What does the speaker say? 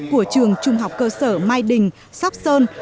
của trường trung học cơ sở mai đình sóc sơn